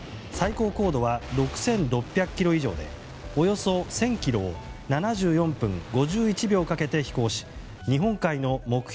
最高高度は６６００ｋｍ以上でおよそ１０００ｋｍを７４分５１秒かけて飛行し、日本海の目標